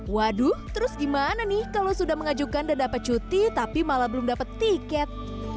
waduh terus gimana nih kalau sudah mengajukan dan dapat cuti tapi malah belum dapat tiket